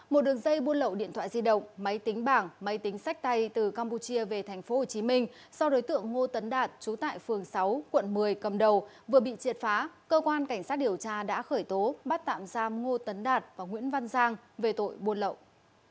một đường dây buôn lậu điện thoại di động máy tính bảng máy tính sách tay từ campuchia về tp hcm do đối tượng ngô tấn đạt trú tại phường sáu quận một mươi cầm đầu vừa bị triệt phá cơ quan cảnh sát điều tra đã khởi tố bắt tạm giam ngô tấn đạt và nguyễn văn giang về tội buôn lậu